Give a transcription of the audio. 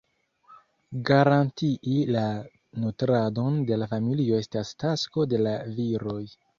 Garantii la nutradon de la familio estas tasko de la viroj.